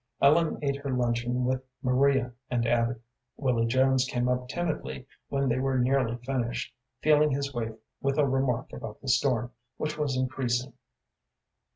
Ellen ate her luncheon with Maria and Abby. Willy Jones came up timidly when they were nearly finished, feeling his way with a remark about the storm, which was increasing.